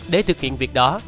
để thực hiện việc đó